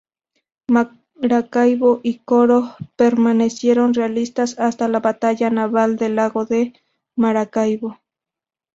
Maracaibo y Coro permanecieron realistas hasta la Batalla Naval del Lago de Maracaibo.